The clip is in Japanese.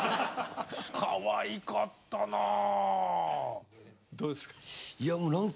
かわいかったなどうですか？